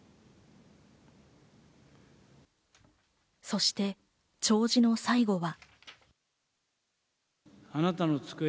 そして弔辞の最後は。